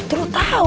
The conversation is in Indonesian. eh lo tau